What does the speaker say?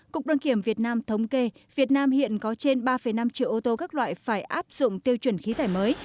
cục đăng kiểm việt nam thống kê việt nam hiện có trên ba năm triệu ô tô các loại phải áp dụng tiêu chuẩn khí thải mới